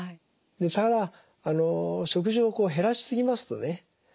ただ食事を減らし過ぎますとね